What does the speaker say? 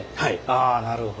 ああなるほど。